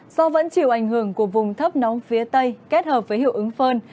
do vẫn chịu ảnh hưởng của vùng thấp nóng phía tây kết hợp với hiệu ứng phơn